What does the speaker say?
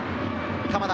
鎌田。